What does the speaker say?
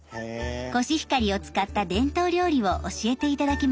コシヒカリを使った伝統料理を教えて頂きました。